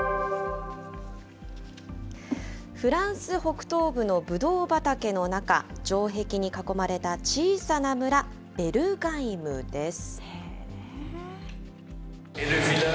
フランス北東部のぶどう畑の中、城壁に囲まれた小さな村、ベルガイムです。